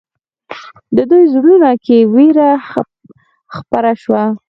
د دوی زړونو کې وېره خپره شوه.